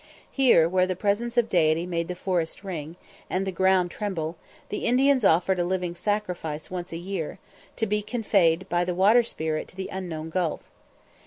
Here, where the presence of Deity made the forest ring, and the ground tremble, the Indians offered a living sacrifice once a year, to be conveyed by the water spirit to the unknown gulf.